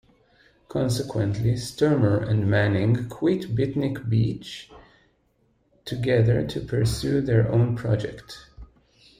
Consequently Sturmer and Manning quit Beatnik Beatch together to pursue their own project.